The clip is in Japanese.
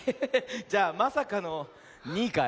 じゃあまさかの２いかい？